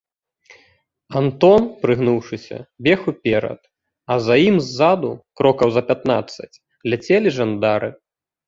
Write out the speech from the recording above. Антон, прыгнуўшыся, бег уперад, а за ім ззаду крокаў за пятнаццаць ляцелі жандары.